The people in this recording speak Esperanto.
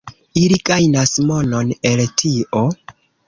Ili gajnas monon el tio.